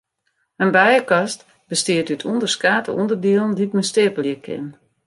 In bijekast bestiet út ûnderskate ûnderdielen dy't men steapelje kin.